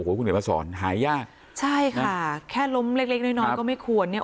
คุณเดี๋ยวมาสอนหายากใช่ค่ะแค่ล้มเล็กเล็กน้อยน้อยก็ไม่ควรเนี่ย